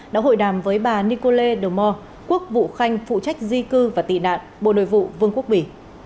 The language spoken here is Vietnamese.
đã hội đàm với bà nicole demore quốc vụ khanh phụ trách di cư và tị đạn bộ nội vụ vương quốc bỉ